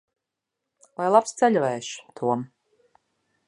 Lai labs ceļavējš, Tom!